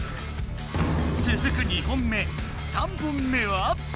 つづく２本目３本目は。